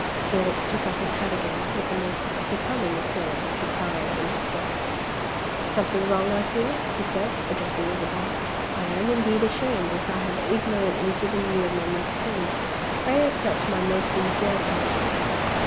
Felix took off his hat again with the most becoming appearance of surprise and distress. "Something wrong, I fear?" he said, addressing Isabel. "I am, indeed, ashamed if I have ignorantly given you a moment's pain. Pray accept my most sincere apologies.